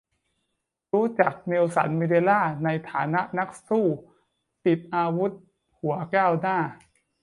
รู้จัก เนลสัน แมนเดลา ในฐานะนักสู้ติดอาวุธหัวก้าวหน้า